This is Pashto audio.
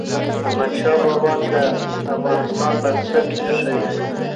احمد شاه بابا د افغانستان بنسټ ايښی دی.